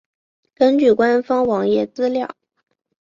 根据官方网页资料。